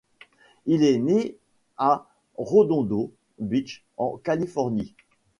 Il est né à Redondo Beach en Californie.